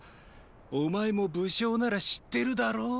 お前も武将なら知ってるだろ。